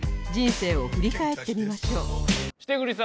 人生を振り返ってみましょう